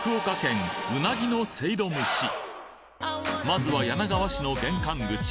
まずは柳川市の玄関口